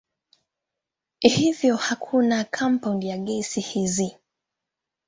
Hivyo hakuna kampaundi za gesi hizi.